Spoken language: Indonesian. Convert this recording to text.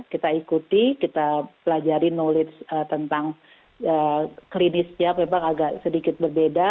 kita ikuti kita pelajari knowledge tentang klinisnya memang agak sedikit berbeda